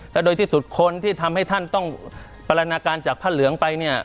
และโดยที่สุดคนที่ทำให้ท่านต้องปรณาการจากผ้าเหลืองไปเนี่ย